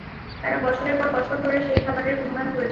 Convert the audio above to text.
তারা বছরের পর বছর ধরে সেই খাবারের গুনগান করেছিল।